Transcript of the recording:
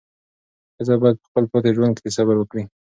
ښځه باید په خپل پاتې ژوند کې صبر وکړي.